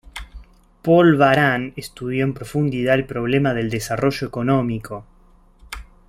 Paul Baran estudió en profundidad el problema del desarrollo económico.